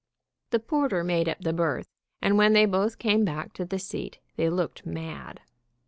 The porter made up the berth, and when they both came back to the seat they looked mad.